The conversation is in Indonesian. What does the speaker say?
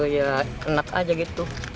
ya enak aja gitu